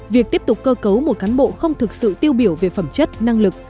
việc tiếp tục cơ cấu một cán bộ không thực sự tiêu biểu về phẩm chất năng lực